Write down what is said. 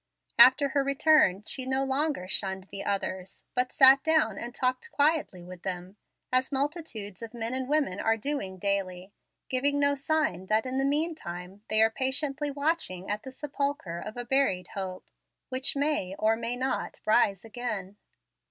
After her return, she no longer shunned the others, but sat down and talked quietly with them, as multitudes of men and women are doing daily, giving no sign that in the mean time they are patiently watching at the sepulchre of a buried hope, which may, or may not, rise again.